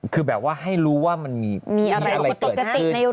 คือแบบว่าให้รู้ว่ามันมีอะไรเกิดขึ้น